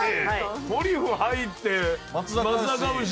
トリュフ入って。